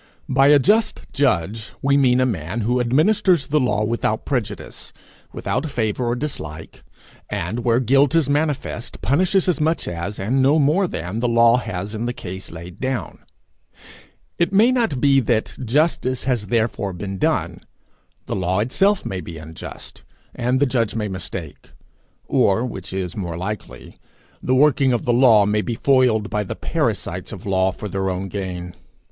By a just judge we mean a man who administers the law without prejudice, without favour or dislike; and where guilt is manifest, punishes as much as, and no more than, the law has in the case laid down. It may not be that justice has therefore been done. The law itself may be unjust, and the judge may mistake; or, which is more likely, the working of the law may be foiled by the parasites of law for their own gain.